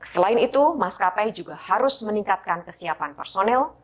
selain itu mas kapai juga harus meningkatkan kesiapan personel